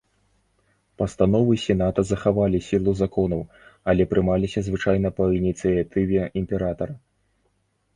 Пастановы сената захавалі сілу законаў, але прымаліся звычайна па ініцыятыве імператара.